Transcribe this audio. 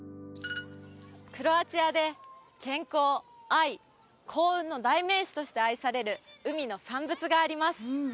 クロアチアで健康愛幸運の代名詞として愛される海の産物があります